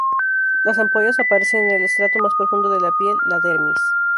Las ampollas aparecen en el estrato más profundo de la piel, la dermis.